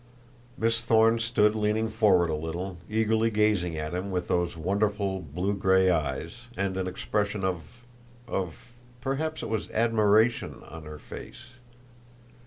Miss Thorne stood leaning forward a little, eagerly gazing at him with those wonderful blue gray eyes, and an expression of of perhaps it was admiration on her face.